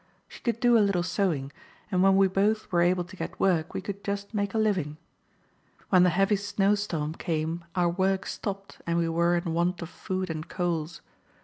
She could do a little sewing, and when we both were able to get work we could just make a living. When the heavy snow storm came our work stopped, and we were in want of food and coals.